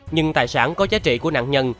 nhưng tài sản có giá trị của nạn nhân